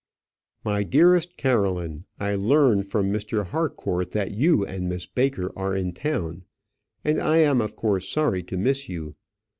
My dearest Caroline, I learn from Mr. Harcourt that you and Miss Baker are in town, and I am of course sorry to miss you.